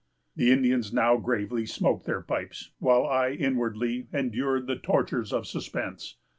"The Indians now gravely smoked their pipes, while I inwardly endured the tortures of suspense.